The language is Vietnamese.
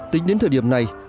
tính đến thời điểm này